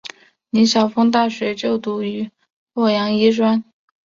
李晓峰大学就读于洛阳医专。